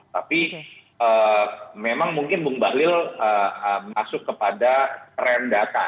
tapi memang mungkin bum bahlil masuk kepada trend data